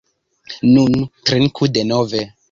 Nun, trinku denove.